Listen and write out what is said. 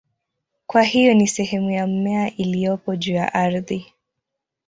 Kwa hiyo ni sehemu ya mmea iliyopo juu ya ardhi.